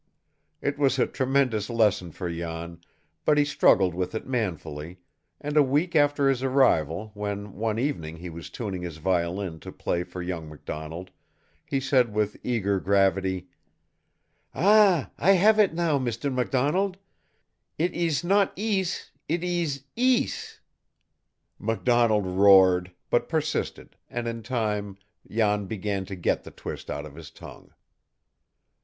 It was a tremendous lesson for Jan, but he struggled with it manfully, and a week after his arrival, when one evening he was tuning his violin to play for young MacDonald, he said with eager gravity: "Ah, I have it now, Mr. MacDonald. It ees not 'EES,' it ees 'EES!'" MacDonald roared, but persisted, and in time Jan began to get the twist out of his tongue.